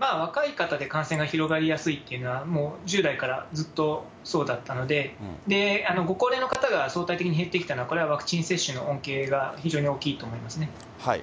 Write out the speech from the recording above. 若い方で感染が広がりやすいっていうのは、もう従来から、ずっとそうだったので、ご高齢の方が相対的に減ってきたのは、これはワクチン接種の恩恵が非常に大きいと思いますね。